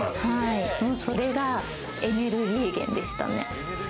それがエネルギー源でしたね。